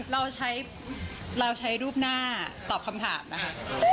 เราใช้รูปหน้าตอบคำถามนะคะ